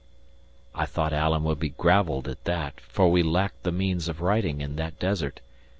I thought Alan would be gravelled at that, for we lacked the means of writing in that desert.